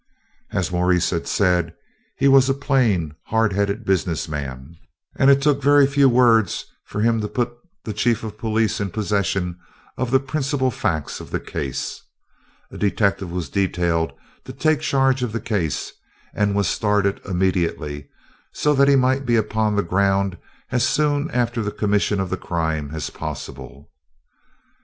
As Maurice had said, he was a plain, hard headed business man, and it took very few words for him to put the Chief of Police in possession of the principal facts of the case. A detective was detailed to take charge of the case, and was started immediately, so that he might be upon the ground as soon after the commission of the crime as possible.